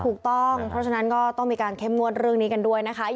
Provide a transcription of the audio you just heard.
ถูกต้องเพราะฉะนั้นก็ต้องมีการเข้มงวดเรื่องนี้กันด้วยนะคะ